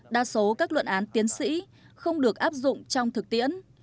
đa số các luận án tiến sĩ không được áp dụng trong thực tiễn